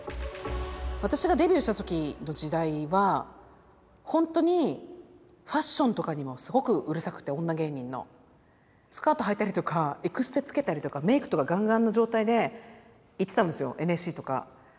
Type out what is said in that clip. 私がデビューした時の時代は本当にファッションとかにもすごくうるさくて女芸人の。スカートはいたりとかエクステつけたりとかメークとかガンガンの状態で行ってたんですよＮＳＣとか。